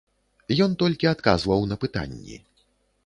Ён толькі адказваў на пытанні.